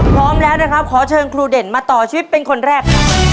พร้อมแล้วนะครับขอเชิญครูเด่นมาต่อชีวิตเป็นคนแรกครับ